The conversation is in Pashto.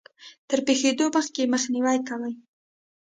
تر پېښېدو مخکې يې مخنيوی کوي.